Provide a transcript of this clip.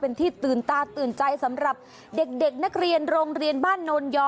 เป็นที่ตื่นตาตื่นใจสำหรับเด็กนักเรียนโรงเรียนบ้านโนนยอ